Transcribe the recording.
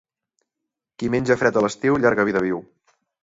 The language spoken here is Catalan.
Qui menja fred a l'estiu, llarga vida viu.